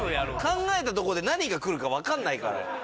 考えたとこで何がくるかわかんないから。